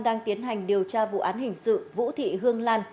đang tiến hành điều tra vụ án hình sự vũ thị hương lan